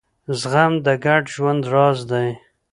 زغم د ګډ ژوند راز دی.